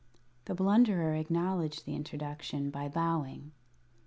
The Blunderer acknowledged the introduction by bowing.